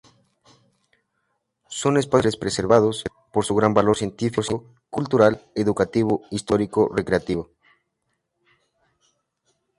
Son espacios naturales preservados por su gran valor científico, cultural, educativo, histórico, recreativo...